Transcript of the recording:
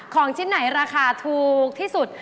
ของชิ้นไหนราคาถูกที่สุด